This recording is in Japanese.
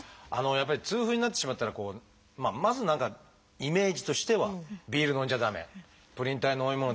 やっぱり痛風になってしまったらこうまず何かイメージとしてはビール飲んじゃ駄目プリン体の飲み物